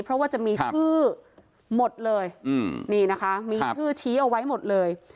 เพราะว่าจะมีชื่อหมดเลยนี่นะคะมีชื่อชี้เอาไว้หมดเลย